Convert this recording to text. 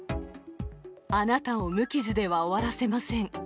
あなたを無傷では終わらせません。